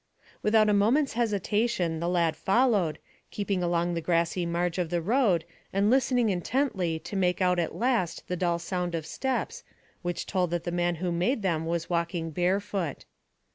Without a moment's hesitation the lad followed, keeping along the grassy marge of the road, and listening intently to make out at last the dull sound of steps, which told that the man who made them was walking barefoot.